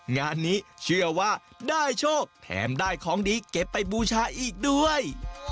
งานนี้เชื่อว่าได้โชคแถมได้ของดีเก็บไปบูชาอีกด้วย